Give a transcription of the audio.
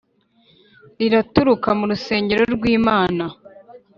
Riraturuka mu rusengero rwimana